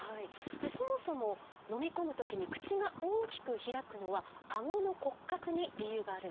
そもそも飲み込む時に口が大きく開くのはアゴの骨格に理由があるんです。